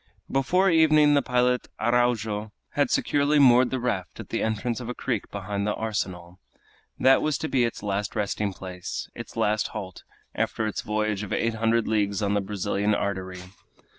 Before evening the pilot Araujo had securely moored the raft at the entrance of a creek behind the arsenal. That was to be its last resting place, its last halt, after its voyage of eight hundred leagues on the great Brazilian artery.